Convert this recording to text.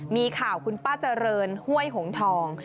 มีข่าวคุณป้าเจริญห้วยหงทอง